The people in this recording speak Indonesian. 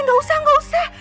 nggak usah nggak usah